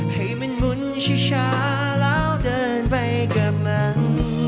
ให้มันหมุนชิชาแล้วเดินไปกับมัน